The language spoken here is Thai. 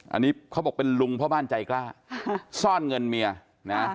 อันนี้เขาบอกเป็นลุงพ่อบ้านใจกล้าซ่อนเงินเมียนะ